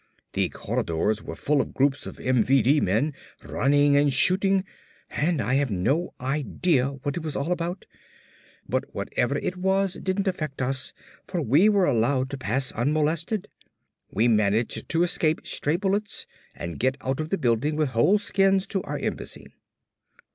The corridors were full of groups of MVD men running and shooting and I have no idea what it was all about but whatever it was it didn't affect us for we were allowed to pass unmolested. We managed to escape stray bullets and get out of the building with whole skins to our embassy.